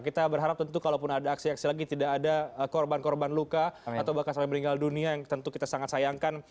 kita berharap tentu kalaupun ada aksi aksi lagi tidak ada korban korban luka atau bahkan sampai meninggal dunia yang tentu kita sangat sayangkan